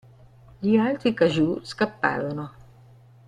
Gli altri kaiju scapparono.